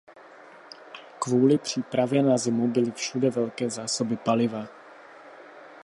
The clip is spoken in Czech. Kvůli přípravě na zimu byly všude velké zásoby paliva.